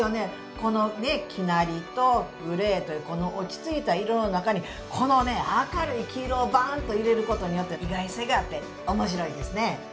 この生成りとグレーという落ち着いた色の中にこのね明るい黄色をバーンと入れることによって意外性があって面白いですね。